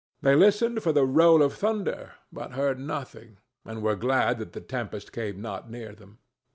They listened for the roll of thunder, but heard nothing, and were glad that the tempest came not near them.